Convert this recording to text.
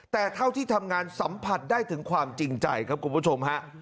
แต่เท่าที่ทำงานสัมผัสได้ถึงความจริงใจครับคุณผู้ชมฮะ